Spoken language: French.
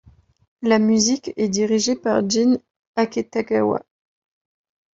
La musique est dirigée par Jin Aketagawa.